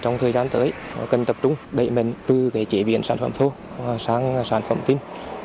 trong thời gian tới cần tập trung để mình từ chế biến sản phẩm thô sang sản phẩm tin